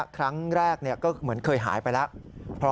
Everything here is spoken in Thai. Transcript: ครั้งแรกก็เหมือนเคยหายไปแล้ว